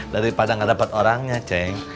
daripada nggak dapat orangnya ceng